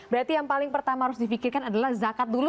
berarti yang paling pertama harus difikirkan adalah zakat dulu